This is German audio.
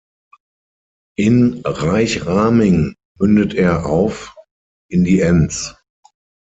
In Reichraming mündet er auf in die Enns.